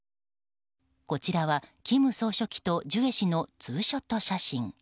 こちらは、金総書記とジュエ氏のツーショット写真。